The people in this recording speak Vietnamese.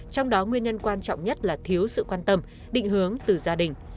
trong đó nguyên nhân quan trọng nhất là thiếu sự quan tâm định hướng từ gia đình